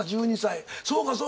そうかそうか。